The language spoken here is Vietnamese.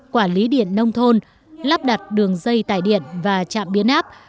quản lý điện nông thôn lắp đặt đường dây tải điện và trạm biến áp